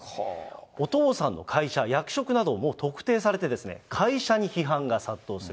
お父さんの会社、役職なども特定されて、会社に批判が殺到する。